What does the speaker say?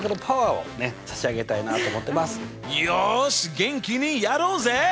よし元気にやろうぜ！